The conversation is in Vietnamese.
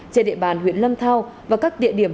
trên địa bàn huyện lâm thao và các địa điểm